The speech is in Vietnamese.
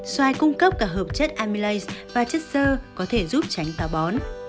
xoài cung cấp cả hợp chất amylase và chất sơ có thể giúp tránh tào bón